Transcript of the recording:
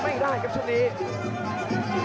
ไม่ได้ครับชุดนี้